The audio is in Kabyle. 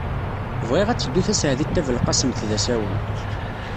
Bɣiɣ ad teddu Taseɛdit Tabelqasemt d asawen.